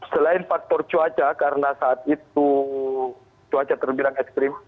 selain faktor cuaca karena saat itu cuaca terbilang ekstrim